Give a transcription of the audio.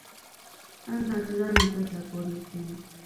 让他知道妳在挑拨离间